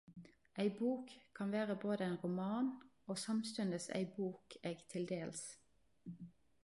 Ei bok kan vere både ein roman og samstundes ei bok eg t.d.